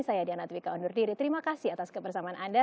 saya diana twika undur diri terima kasih atas kebersamaan anda